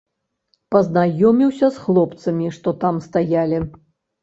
Пазнаёміўся з хлопцамі, што там стаялі.